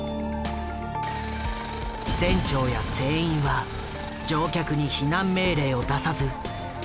船長や船員は乗客に避難命令を出さず先に脱出。